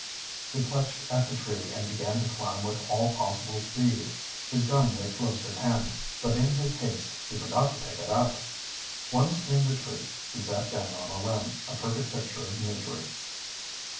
He clutched at the tree and began to climb with all possible speed. His gun lay close at hand, but in his haste he forgot to pick it up. Once in the tree he sat down on a limb, a perfect picture of misery.